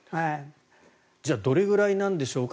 じゃあどれぐらいなんでしょうか。